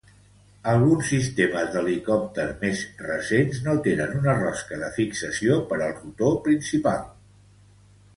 Alguns sistemes d'helicòpter més recents no tenen una rosca de fixació per al rotor principal.